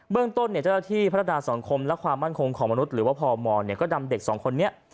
เรื่องต้นเจ้าหน้าที่พัฒนาสังคมและความมั่นคงของมนุษย์หรือว่าพมก็นำเด็กสองคนนี้